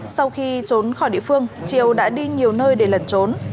sau khi trốn khỏi địa phương triều đã đi nhiều nơi để lẩn trốn